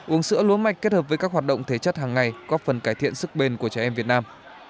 uống sữa lúa mạch kết hợp với các hoạt động thể chất hàng ngày góp phần cải thiện sức bền của trẻ em việt nam